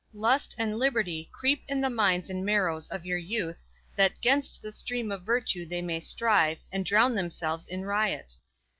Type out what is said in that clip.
lust and liberty Creep in the minds and marrows of your youth; That 'gainst the stream of virtue they may strive, And drown themselves in riot!